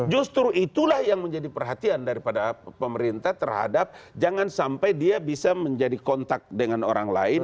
justru itulah yang menjadi perhatian daripada pemerintah terhadap jangan sampai dia bisa menjadi kontak dengan orang lain